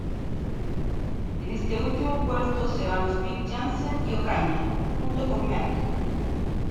En este último puerto se van los Bic Janssen y Ocaña, junto con Merckx.